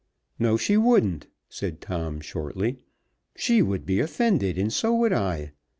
"No, she wouldn't," said Tom shortly. "She would be offended, and so would I.